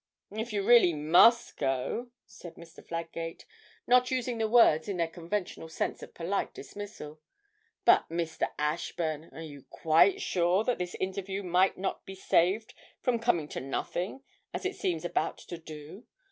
'If you really must go,' said Mr. Fladgate, not using the words in their conventional sense of polite dismissal. 'But, Mr. Ashburn, are you quite sure that this interview might not be saved from coming to nothing, as it seems about to do?